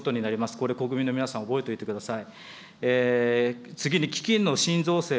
これ、国民の皆さん、覚えておいてください。